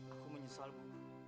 aku menyesal bu